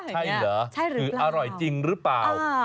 ใช่เหรอหรืออร่อยจริงหรือเปล่า